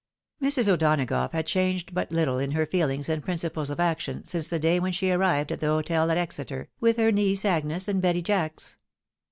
Mrs. O'Donagough had changed but little in her feehngs and principles of action, since the day when she arrived at the hotel at Exeter, with her niece Agnes and Betty Jacks.